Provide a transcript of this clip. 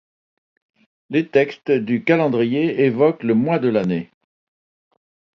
Les textes du calendrier évoquent le mois de l'année.